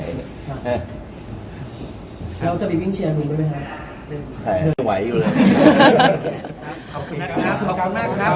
เราจะไปวิ่งเชียรวมด้วยมั้ยครับกระป๋านไว้ยังไง